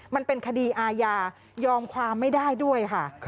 มันเป็นคดีอาญายอมความไม่ได้ด้วยค่ะ